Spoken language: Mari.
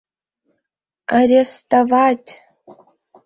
— Ар-ре-стовать!